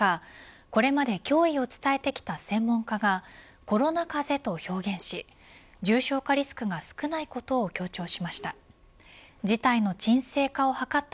これまで脅威を伝えてきた専門家がコロナ風邪と表現し重症化リスクが少ないことを強調しました。